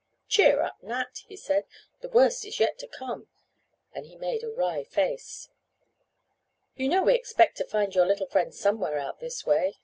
"Cheer up, Nat," he said. "The worst is yet to come," and he made a wry face. "You know we expect to find your little friend somewhere out this way.